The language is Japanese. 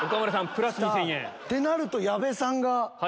プラス２０００円。ってなると矢部さんが。